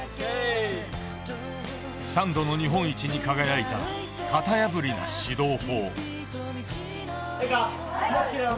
３度の日本一に輝いた型破りな指導法。